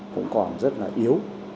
cũng còn rất là yếu